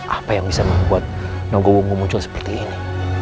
apa yang bisa membuat nogowo muncul seperti ini